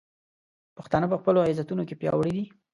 پښتانه په خپلو عزتونو کې پیاوړي دي.